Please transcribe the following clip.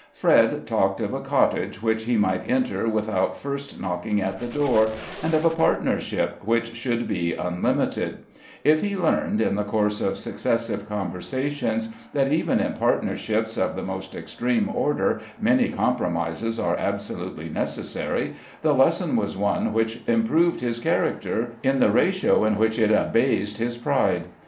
Fred talked of a cottage which he might enter without first knocking at the door, and of a partnership which should be unlimited; if he learned, in the course of successive conversations, that even in partnerships of the most extreme order many compromises are absolutely necessary, the lesson was one which improved his character in the ratio in which it abased his pride.